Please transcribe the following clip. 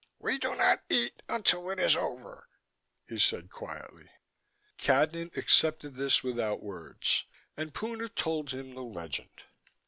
"We do not eat until it is over," he said quietly. Cadnan accepted this without words, and Puna told him the legend.